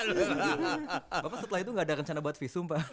bapak setelah itu nggak ada rencana buat visum pak